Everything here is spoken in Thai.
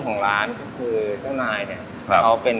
ก็เลยเริ่มต้นจากเป็นคนรักเส้น